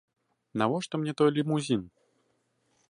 Навошта мне той лімузін?